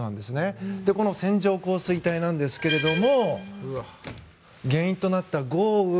この線状降水帯ですが原因となった豪雨。